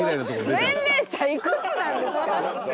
年齢差いくつなんですか？